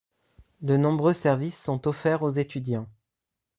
De nombreux services sont offerts aux étudiants.